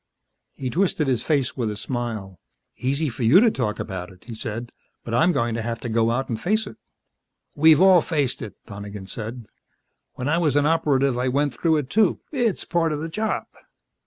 He twisted his face with a smile. "Easy for you to talk about it," he said. "But I'm going to have to go out and face it " "We've all faced it," Donegan said. "When I was an Operative I went through it, too. It's part of the job."